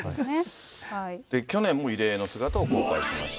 去年も異例の姿を公開しました。